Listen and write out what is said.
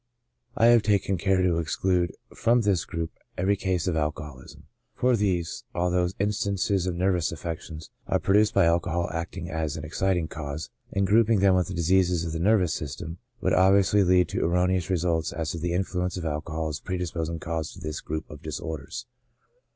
— I have taken care to exclude from this group every case of alcoholism, for these, although instances of nervous affections, are produced by alcohol acting as an ex citing cause, and grouping them v^ith diseases of the nervous system, would obviously lead to erroneous results as to the influence of alcohol as a predisposing cause to this group of disorders.